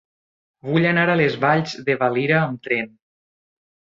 Vull anar a les Valls de Valira amb tren.